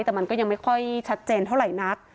แต่มันก็ยังไม่ค่อยชัดเจนเท่าไหร่นัก